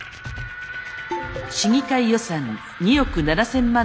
市議会予算２億７，０００万の削減。